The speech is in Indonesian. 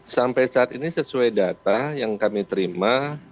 sampai saat ini sesuai data yang kami terima